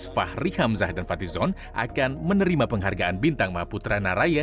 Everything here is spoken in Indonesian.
fahri hamzah dan fatizon akan menerima penghargaan bintang mahaputra naraya